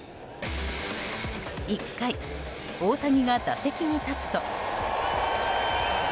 １回、大谷が打席に立つと。